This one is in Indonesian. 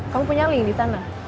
kamu punya link di sana